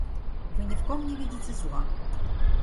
Вы ни в ком не видите зла!